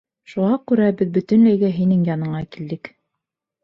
Шуға күрә беҙ бөтөнләйгә һинең яныңа килдек.